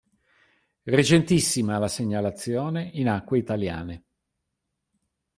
Recentissima la segnalazione in acque italiane.